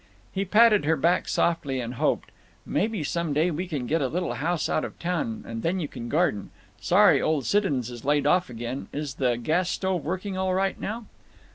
He patted her back softly, and hoped: "Maybe some day we can get a little house out of town, and then you can garden…. Sorry old Siddons is laid off again…. Is the gas stove working all right now?"